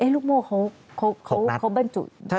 ลูกโม้เขาบรรจุ๖นัด